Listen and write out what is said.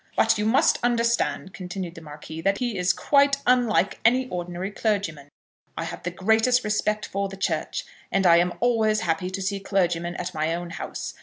"But you must understand," continued the Marquis, "that he is quite unlike any ordinary clergyman. I have the greatest respect for the church, and am always happy to see clergymen at my own house.